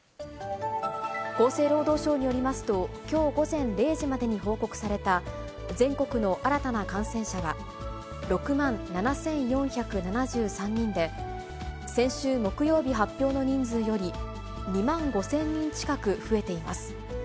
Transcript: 厚生労働省によりますと、きょう午前０時までに報告された、全国の新たな感染者は、６万７４７３人で、先週木曜日発表の人数より２万５０００人近く増えています。